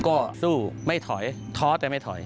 ก็สู้ไม่ถอยท้อแต่ไม่ถอย